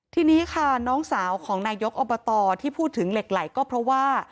ทีนี้ค่ะน้องสาวของนายกอบตที่พูดถึงเหล็กไหลก็เพราะว่า